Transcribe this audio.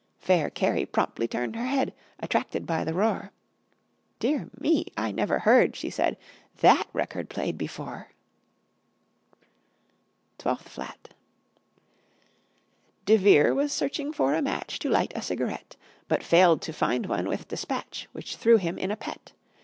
Fair Carrie promptly turned her head, Attracted by the roar. "Dear me, I never heard," she said, "That record played before!" [Illustration: ELEVENTH FLAT] TWELFTH FLAT De Vere was searching for a match To light a cigarette, But failed to find one with despatch, Which threw him in a pet.